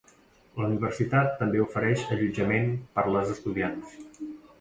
La universitat també ofereix allotjament per a les estudiants.